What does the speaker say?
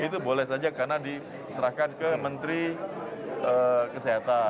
itu boleh saja karena diserahkan ke menteri kesehatan